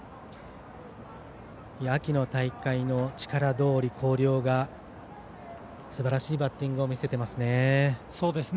秋の大会の力どおり広陵がすばらしいバッティングを見せていますね。